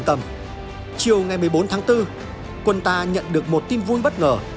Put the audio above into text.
bốn tháng bốn quân ta nhận được một tin vui bất ngờ